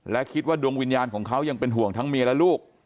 และคิดว่าดวงวิญญาณของเขายังเป็นห่วงทั้งเมียและลูก